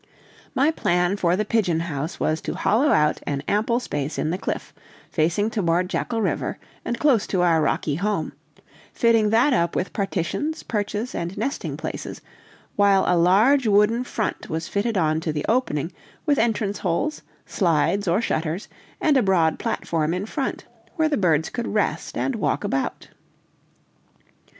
My plan for the pigeon house was to hollow out an ample space in the cliff, facing toward Jackal River, and close to our rocky home, fitting that up with partitions, perches, and nesting places; while a large wooden front was fitted on to the opening, with entrance holes, slides or shutters, and a broad platform in front, where the birds could rest and walk about.